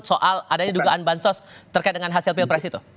soal adanya dugaan bansos terkait dengan hasil pilpres itu